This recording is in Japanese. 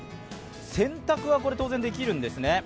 洗濯は当然できるんですね？